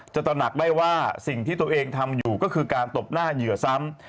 ตระหนักได้ว่าสิ่งที่ตัวเองทำอยู่ก็คือการตบหน้าเหยื่อซ้ำ